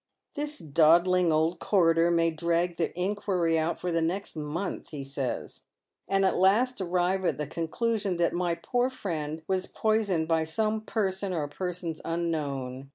" This dawdling old coroner may drag the inquiry out for the next month," he says, " and at last arrive at the conclusion that my poor fiiend was poisoned by some person or persons unknown.